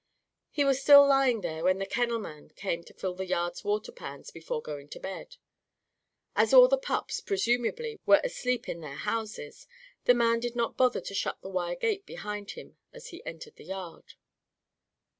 He was still lying there when the kennelman came to fill the yard's water pans before going to bed. As all the pups, presumably, were asleep in their houses, the man did not bother to shut the wire gate behind him as he entered the yard.